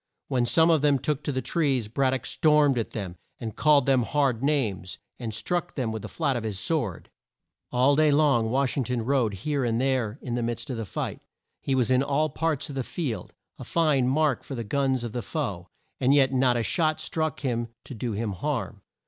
When some of them took to the trees, Brad dock stormed at them, and called them hard names, and struck them with the flat of his sword. All day long Wash ing ton rode here and there in the midst of the fight. He was in all parts of the field, a fine mark for the guns of the foe, and yet not a shot struck him to do him harm.